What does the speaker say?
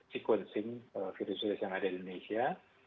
sequencing virus virus yang ada di indonesia